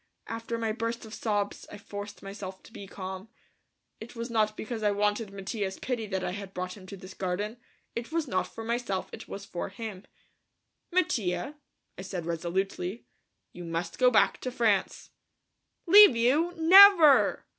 After my burst of sobs I forced myself to be calm. It was not because I wanted Mattia's pity that I had brought him to this garden, it was not for myself; it was for him. "Mattia," I said resolutely, "you must go back to France." "Leave you? Never!"